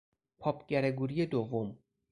پاپ گرگوری دوم